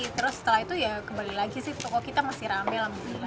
terus setelah itu ya kembali lagi sih toko kita masih rame lah